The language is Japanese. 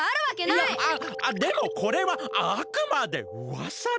いやでもこれはあくまでうわさだから。